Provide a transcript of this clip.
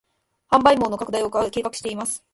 販売網の拡大を計画しています